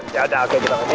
ya udah oke kita main ya